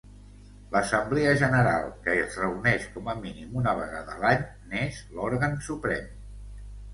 L'Assemblea General, que es reuneix com a mínim una vegada a l'any, n'és l'òrgan suprem.